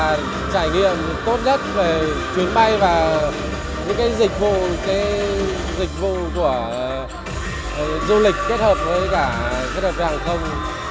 trải nghiệm tốt nhất về chuyến bay và những cái dịch vụ của du lịch kết hợp với cả kết hợp với hàng không